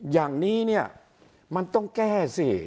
อย่างนี้เนี่ยมันต้องแก้สิ